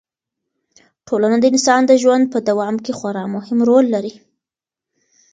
ټولنه د انسان د ژوند په دوام کې خورا مهم رول لري.